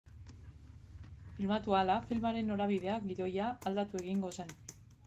Filmatu ahala filmaren norabidea, gidoia, aldatu egingo zen.